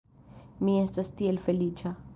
Mi estas tiel feliĉa!